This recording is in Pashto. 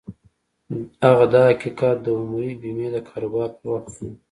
هغه دا حقيقت د عمري بيمې د کاروبار پر وخت وموند.